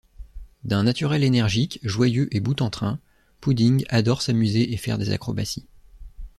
D'un naturel énergique, joyeux et boute-en-train, Pudding adore s'amuser et faire des acrobaties.